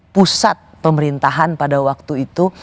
pusat pemerintahan pada waktu itu